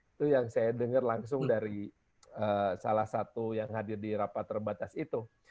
itu yang saya dengar langsung dari salah satu yang hadir di rapat terbatas itu